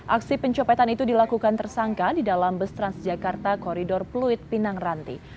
aksi pencopetan itu dilakukan tersangka di dalam bus transjakarta koridor pluit pinang ranti